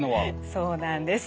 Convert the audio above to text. そうなんです。